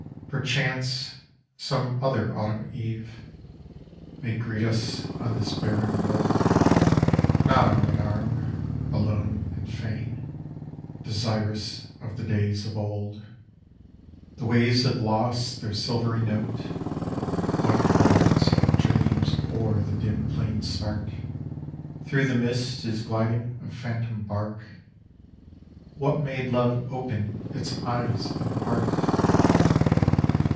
Perchance, some other autumn eve, May greet us on this barren wold, Not arm in arm, alone and fain, Desirous of the days of old. (14) The waves have lost their silvery note, TJhlte "birda of dreams o'er the din plain start, Through the mist is gliding a phantom hark VTnat made love open its eyes and part!